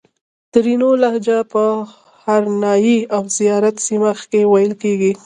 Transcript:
ترینو لهجه په هرنایي او زیارت سیمه کښې ویل کیږي